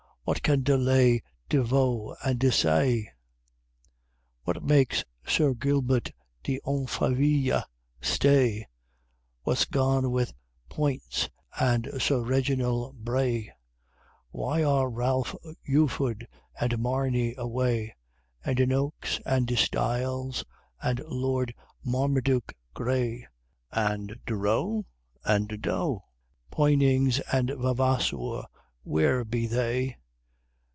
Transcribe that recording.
What can delay De Vaux and De Saye? What makes Sir Gilbert de Umfraville stay? What's gone with Poyntz, and Sir Reginald Braye? Why are Ralph Ufford and Marny away? And De Nokes and De Styles, and Lord Marmaduke Grey? And De Roe? And De Doe? Poynings and Vavasour where be they?